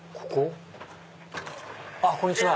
あっこんにちは。